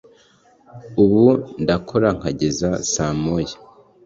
ubu ndakora nkageza saa moya